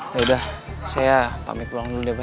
yaudah saya pamit pulang dulu deh pak